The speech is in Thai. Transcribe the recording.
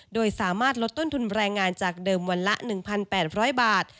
โดยสามารถลดต้นทุนแรงงานจากเดิมวันละ๑๘๐๐บาท